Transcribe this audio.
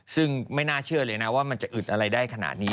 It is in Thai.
ซึ่งไม่น่าเชื่อเลยนะว่ามันจะอึดอะไรได้ขนาดนี้